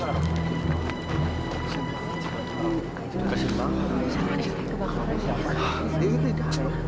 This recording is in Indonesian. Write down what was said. terima kasih pak